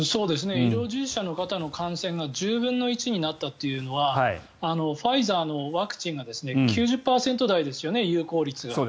医療従事者の方の感染が１０分の１になったというのはファイザーのワクチンが９０％台ですよね、有効率が。